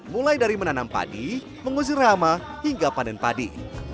mulai dari menanam padi mengusir rama hingga panen padi